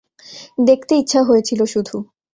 দেখতে ইচ্ছা হয়েছিল শুধু।